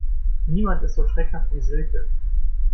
Niemand ist so schreckhaft wie Silke.